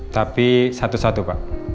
tapi satu satu pak